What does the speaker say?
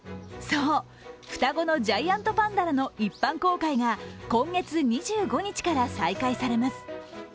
そう、双子のジャイアントパンダらの一般公開が今月２５日から再開されます。